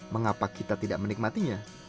mengapa kita tidak menikmatinya